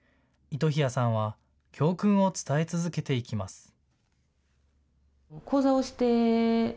糸日谷さんは教訓を伝え続けていきます。